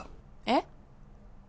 えっ？